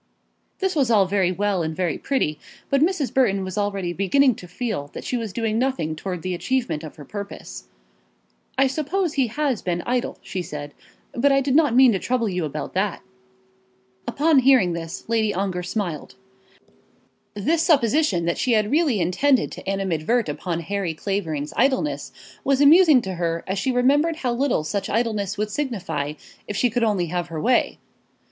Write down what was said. This was all very well and very pretty, but Mrs. Burton was already beginning to feel that she was doing nothing towards the achievement of her purpose. "I suppose he has been idle," she said, "but I did not mean to trouble you about that." Upon hearing this, Lady Ongar smiled. This supposition that she had really intended to animadvert upon Harry Clavering's idleness was amusing to her as she remembered how little such idleness would signify if she could only have her way.